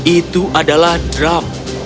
itu adalah drum